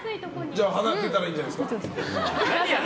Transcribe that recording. じゃあ離れたらいいんじゃないですか。